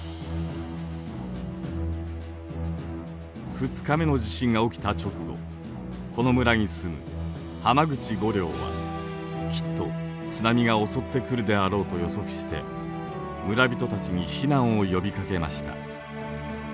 ２日目の地震が起きた直後この村に住む濱口梧陵はきっと津波が襲ってくるであろうと予測して村人たちに避難を呼びかけました。